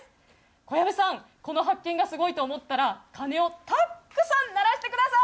小籔さん、この発見がすごいと思ったら、鐘をたっくさん鳴らしてください。